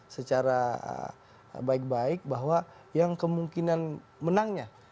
secara baik baik bahwa yang kemungkinan menangnya